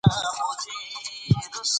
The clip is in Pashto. ژوند د ستونزو ترڅنګ د بریا خوږ خوند هم لري.